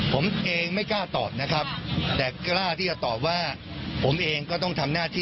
ไปดูเรื่องของ